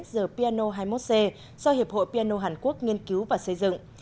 dầu piano hai mươi một c do hiệp hội piano hàn quốc nghiên cứu và xây dựng